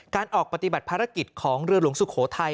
การออกปฏิบัติภารกิจของเรือหลวงสุโขทัย